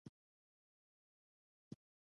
نیمايي د ایران په ولکه کې دی.